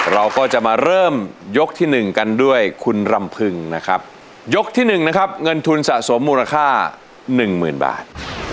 เราก็จะมาเริ่มยกที่หนึ่งกันด้วยคุณรำพึงนะครับยกที่หนึ่งนะครับเงินทุนสะสมมูลค่าหนึ่งหมื่นบาท